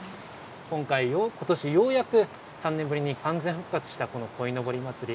今回、ことしようやく、３年ぶりに完全復活した、このこいのぼり祭り。